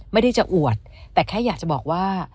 ไม่ได้จะอวดแต่แค่อยากจะบอกว่า